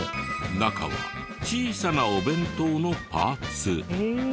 中は小さなお弁当のパーツ。